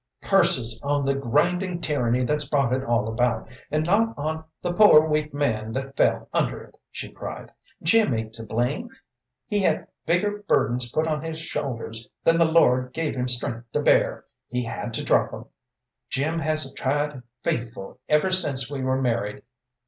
"Curses on the grinding tyranny that's brought it all about, and not on the poor, weak man that fell under it!" she cried. "Jim ain't to blame. He's had bigger burdens put on his shoulders than the Lord gave him strength to bear. He had to drop 'em. Jim has tried faithful ever since we were married.